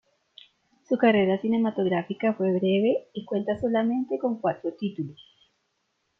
Su carrera cinematográfica fue breve y cuenta solamente con cuatro títulos.